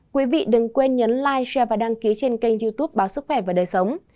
quý vị đừng quên nhấn like share và đăng ký trên kênh youtube báo sức khỏe và đời sống